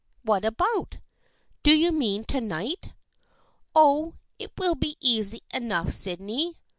" What about? Do you mean to night? Oh, it will be easy enough, Sydney.